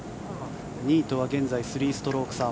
２位とは現在、３ストローク差。